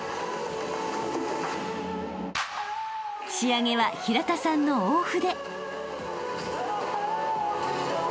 ［仕上げは平田さんの大筆］